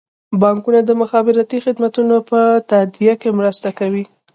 بانکونه د مخابراتي خدمتونو په تادیه کې مرسته کوي.